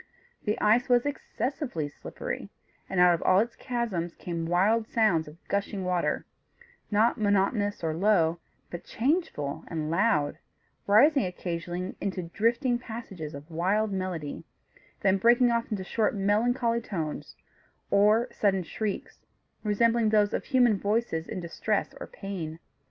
The ice was excessively slippery, and out of all its chasms came wild sounds of gushing water; not monotonous or low; but changeful and loud, rising occasionally into drifting passages of wild melody, then breaking off into short melancholy tones, or sudden shrieks, resembling those of human voices in distress or pain.